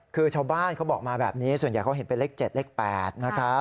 คือชาวบ้านเขาบอกมาแบบนี้ส่วนใหญ่เขาเห็นเป็นเลข๗เลข๘นะครับ